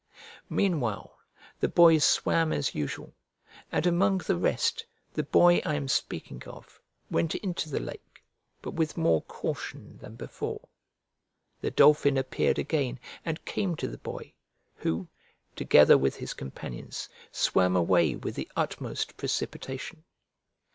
Meanwhile the boys swam as usual, and among the rest, the boy I am speaking of went into the lake, but with more caution than before. The dolphin appeared again and came to the boy, who, together with his companions, swam away with the utmost precipitation.